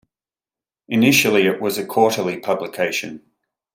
Initially it was a quarterly publication.